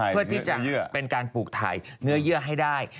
เพื่อที่จะเป็นการปลูกถ่ายเนื้อเยื่อให้ได้